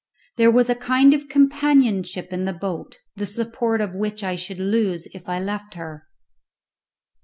There was a kind of companionship in the boat, the support of which I should lose if I left her.